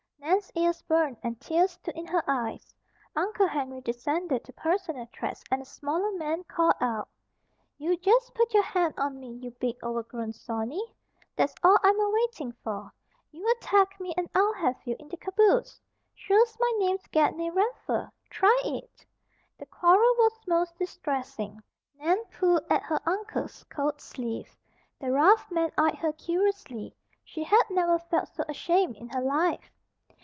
Nan's ears burned and tears stood in her eyes. Uncle Henry descended to personal threats and the smaller man called out: "You jest put your hand on me, you big, overgrown sawney! That's all I'm a waitin' for. You 'tack me and I'll have you in the caboose, sure's my name's Gedney Raffer. Try it!" The quarrel was most distressing. Nan pulled at her uncle's coat sleeve. The rough men eyed her curiously. She had never felt so ashamed in her life.